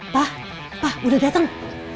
pak pak udah dateng